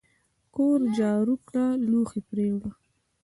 کور جارو کړه لوښي پریوله !